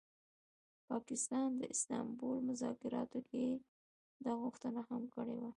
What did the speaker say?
پاکستان د استانبول مذاکراتو کي دا غوښتنه هم کړې وه